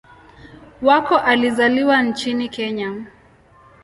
Wako alizaliwa nchini Kenya.